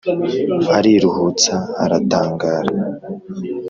Ariruhutsa aratangara,